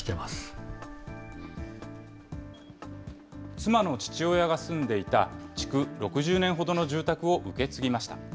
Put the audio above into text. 妻の父親が住んでいた、築６０年ほどの住宅を受け継ぎました。